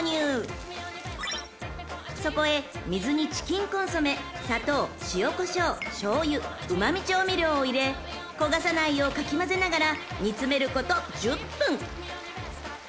［そこへ水にチキンコンソメ砂糖塩こしょうしょうゆうま味調味料を入れ焦がさないようかき交ぜながら煮詰めること１０分］